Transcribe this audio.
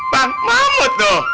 bang mahmud loh